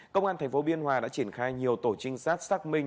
công an thành phố biên hòa đã triển khai nhiều tổ trinh sát xác minh